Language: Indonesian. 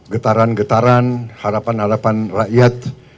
getaran getaran harapan harapan rakyat